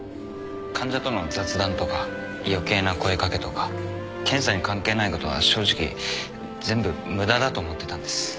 患者との雑談とか余計な声掛けとか検査に関係ないことは正直全部無駄だと思ってたんです